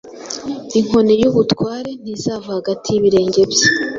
inkoni y’ubutware ntizava hagati y’ibirenge bye,